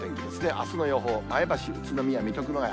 あすの予報、前橋、宇都宮、水戸、熊谷。